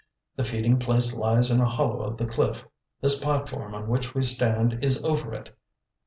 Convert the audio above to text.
The feeding place lies in a hollow of the cliff; this platform on which we stand is over it.